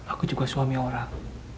aku juga suami orang